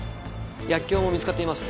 薬莢も見つかっています。